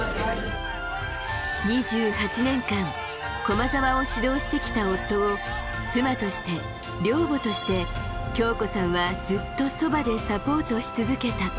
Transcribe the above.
２８年間、駒澤を指導してきた夫を、妻として、寮母として、京子さんはずっとそばでサポートし続けた。